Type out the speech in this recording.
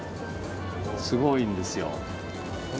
すごいんですよ。